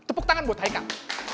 tepuk tangan buat haikal